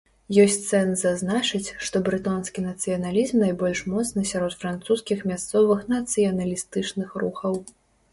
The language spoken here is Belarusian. Ёсць сэнс зазначыць, што брэтонскі нацыяналізм найбольш моцны сярод французскіх мясцовых нацыяналістычных рухаў.